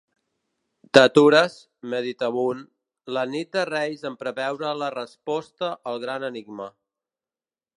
T'atures, meditabund, la nit de Reis en preveure la resposta al gran enigma.